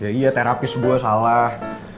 ya iya terapis gue salah